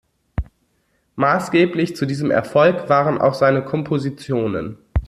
Maßgeblich zu diesem Erfolg waren auch seine Kompositionen.